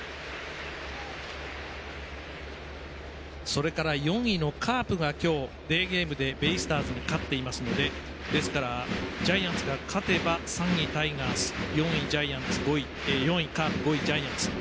それから４位のカープが今日、デーゲームでベイスターズに勝っていますのでですから、ジャイアンツが勝てば３位タイガース４位カープ５位ジャイアンツ。